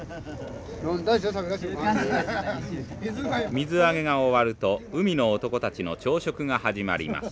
水揚げが終わると海の男たちの朝食が始まります。